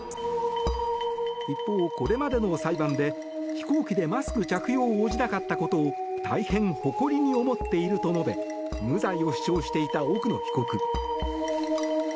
一方、これまでの裁判で飛行機でマスク着用に応じなかったことを大変誇りに思っていると述べ無罪を主張していた奥野被告。